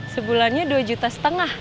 sebulannya dua juta setengah